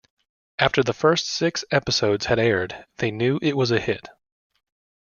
After the first six episodes had aired they knew it was a hit.